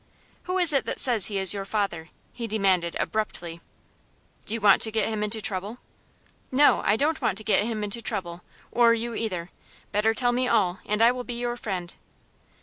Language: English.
"Who is it that says he is your father?" he demanded, abruptly. "Do you want to get him into trouble?" "No, I don't want to get him into trouble, or you either. Better tell me all, and I will be your friend."